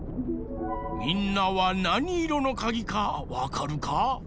みんなはなにいろのかぎかわかるか？